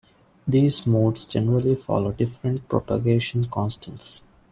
These modes generally follow different propagation constants.